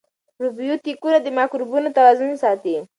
پروبیوتیکونه د مایکروبونو توازن ساتي.